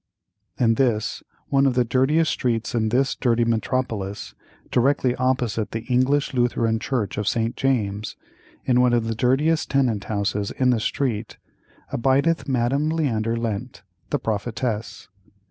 In this, one of the dirtiest streets in this dirty metropolis, directly opposite the English Lutheran Church of St. James, in one of the dirtiest tenant houses in the street, abideth Madame Leander Lent, the prophetess.